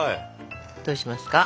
どうしますか？